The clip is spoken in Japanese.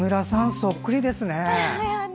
そっくりですね！